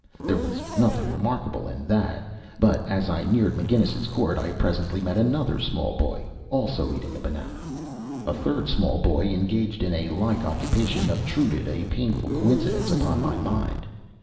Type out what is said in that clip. There was nothing remarkable in that, but as I neared McGinnis's Court I presently met another small boy, also eating a banana. A third small boy engaged in a like occupation obtruded a painful coincidence upon my mind.